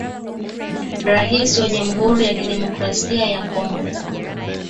Raisi wa jamhuri ya kidemokrasia ya Kongo